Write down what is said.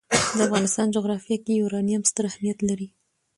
د افغانستان جغرافیه کې یورانیم ستر اهمیت لري.